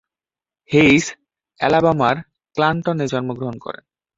হ্যাইস আলাবামার ক্লানটনে জন্মগ্রহণ করেন।